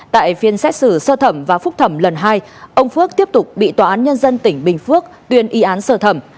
tại phiên xét xử sơ thẩm và phúc thẩm lần hai ông phước tiếp tục bị tòa án nhân dân tỉnh bình phước tuyên y án sơ thẩm